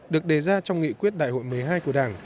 được đề ra trong nghị quyết đại hội một mươi hai của đảng